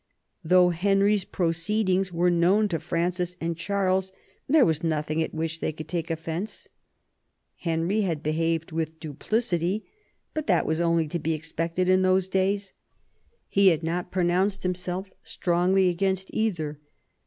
Though Henry's proceedings were known to Francis and Charles, there was nothing at which they could take offence. Henry had behaved with duplicity, but that was only to be expected in those days ; he had not pronounced him self strongly against either.